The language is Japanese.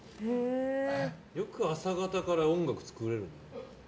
よく朝方から音楽作れるね。